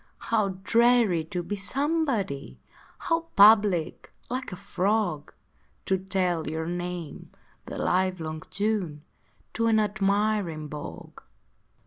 How dreary to be Somebody! How public like a Frog To tell your name the livelong June To an admiring Bog!